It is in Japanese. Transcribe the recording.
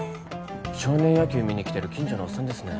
少年野球見にきてる近所のおっさんですね。